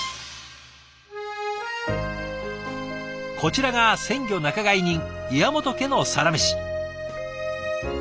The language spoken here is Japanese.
こちらが鮮魚仲買人岩本家のサラメシ。